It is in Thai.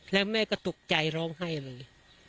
แล้วแม่ก็ตกใจร้องไห้เลย